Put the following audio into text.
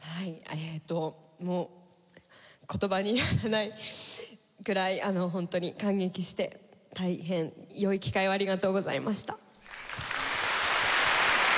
えーっともう言葉にならないくらいホントに感激して大変良い機会をありがとうございました。